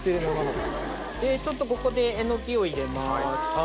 ちょっとここでえのきを入れます。